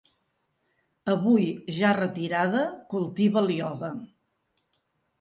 Avui, ja retirada, cultiva el ioga.